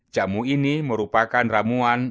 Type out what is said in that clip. jamu ini merupakan ramuan